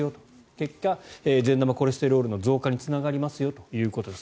結果善玉コレステロールの増加につながりますよということです。